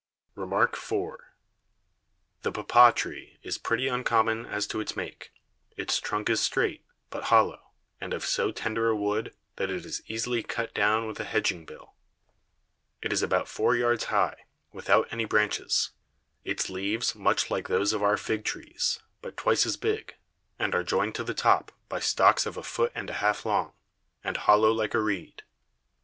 REMARK IV. The Papaw Tree is pretty uncommon as to its Make; its Trunk is strait, but hollow, and of so tender a Wood, that it is easily cut down with a Hedging Bill; it is about four Yards high, without any Branches; its Leaves much like those of our Fig Trees, but twice as big, and are joined to the top by Stalks of a Foot and a half long, and hollow like a Reed.